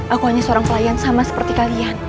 aku hanya seorang pelayan sama seperti kalian